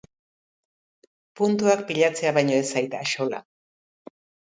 Puntuak pilatzea baino ez zait axola.